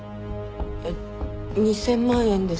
えっ２０００万円です。